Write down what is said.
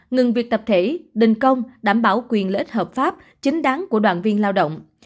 ngừng việc tập thể đình công đảm bảo quyền lợi ích hợp pháp chính đáng của đoàn viên lao động